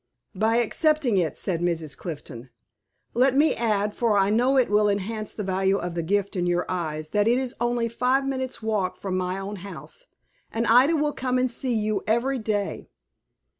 "By accepting it," said Mrs. Clifton. "Let me add, for I know it will enhance the value of the gift in your eyes, that it is only five minutes' walk from my own house, and Ida will come and see you every day."